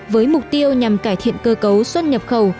với mục tiêu nhằm cải thiện cơ cấu xuất nhập khẩu